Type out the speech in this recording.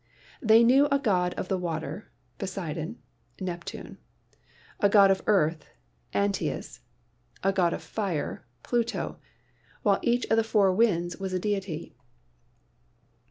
They knew a god of the water, Poseidon (Neptune); a god of earth, Anteus; a AN ANALYSIS OF MATTER 5 god of fire, Pluto, while each of the four winds was a deity.